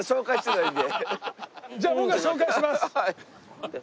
じゃあ僕が紹介します。